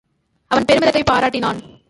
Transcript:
அவன் பெருமிதத்தைப் பாராட் டினான்.